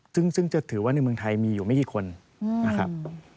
ซึ่งจะถือว่าในเมืองไทยมีอยู่ไม่กี่คนนะครับ